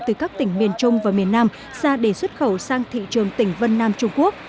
từ các tỉnh miền trung và miền nam ra để xuất khẩu sang thị trường tỉnh vân nam trung quốc